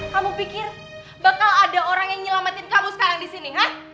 kamu pikir bakal ada orang yang nyelamatin kamu sekarang di sini kan